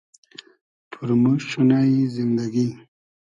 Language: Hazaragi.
پورموشت شونۂ ای زیندئگی